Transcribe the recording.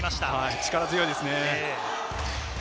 力強いですね。